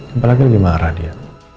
apalagi lagi marah dia